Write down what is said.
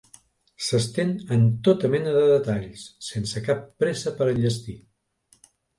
S'estén en tota mena de detalls, sense cap pressa per enllestir.